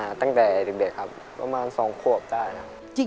ผมมาตั้งแต่ถึงเด็กครับประมาณ๒ครบได้นะครับ